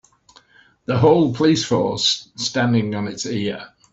The whole police force standing on it's ear.